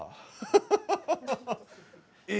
ハハハ！え！